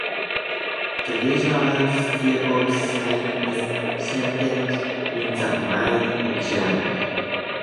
The region around the city of Siegen is centered in the middle of Germany.